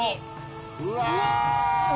うわ！